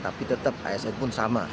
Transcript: tapi tetap asn pun sama